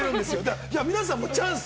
皆さん、チャンス。